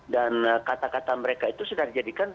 dan kata kata mereka itu sudah dijadikan